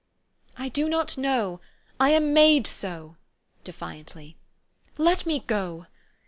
"I do not know. I am made so," defiantly. "Let me go.